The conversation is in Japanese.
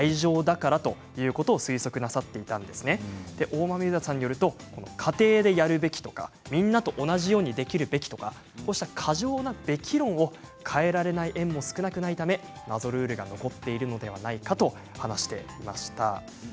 大豆生田さんによると家庭でやるべきとかみんなと同じようにできるべきとかこうした過剰な、べき論を変えられない園も少なくないため謎ルールが残っているのではないかと話していました。